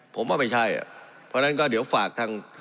ผมว่าไม่ใช่อ่ะเพราะฉะนั้นก็เดี๋ยวฝากทาง